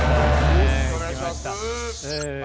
よろしくお願いします。